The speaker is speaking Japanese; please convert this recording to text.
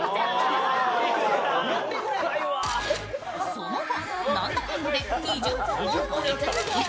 その後なんだかんだで２０分も撮り続け